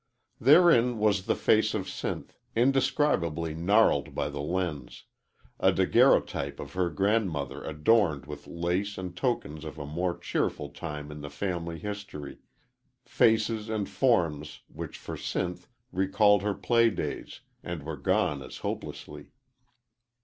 Therein was the face of Sinth, indescribably gnarled by the lens; a daguerreotype of her grandmother adorned with lace and tokens of a more cheerful time in the family history; faces and forms which for Sinth recalled her play days, and were gone as hopelessly.